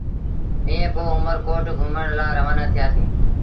ائيٚݩ پو اُمر ڪوٽ گھمڻ لآ روآنآ ٿيٚآسيٚݩ۔